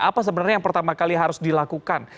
apa sebenarnya yang pertama kali harus dilakukan